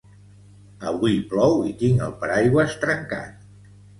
Avui plou i tinc el paraigües trencat